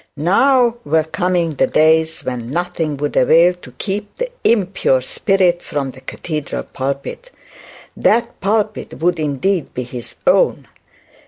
Now were coming the days when nothing would avail to keep the impure spirit from the cathedral pulpit. That pulpit would indeed be his own.